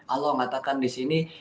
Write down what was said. allah mengatakan disini